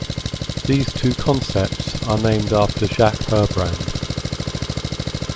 These two concepts are named after Jacques Herbrand.